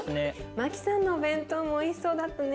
マキさんのお弁当もおいしそうだったね。